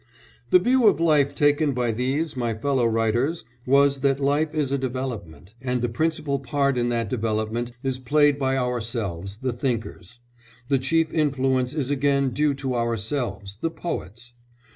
"The view of life taken by these, my fellow writers, was that life is a development, and the principal part in that development is played by ourselves the thinkers; the chief influence is again due to ourselves the poets.